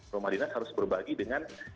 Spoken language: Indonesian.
rumah dinas harus berbagi dengan